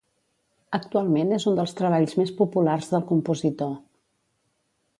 Actualment és un dels treballs més populars del compositor.